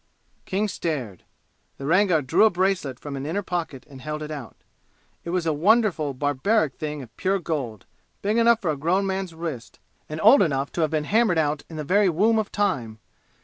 King stared. The Rangar drew a bracelet from an inner pocket and held it out. It was a wonderful, barbaric thing of pure gold, big enough for a grown man's wrist, and old enough to have been hammered out in the very womb of time.